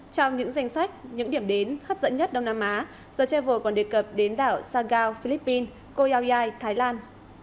trong những danh sách những điểm đến hấp dẫn nhất đông nam á the travel còn đề cập đến đảo sa gao philippines koyauyai thái lan